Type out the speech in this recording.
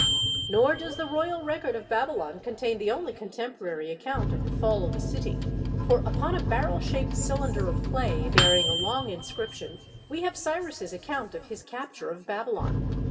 Nor does the royal record of Babylon contain the only contemporary account of the fall of the city, for upon a barrel shaped cylinder of clay bearing a long inscription we have Cyrus's account of his capture of Babylon.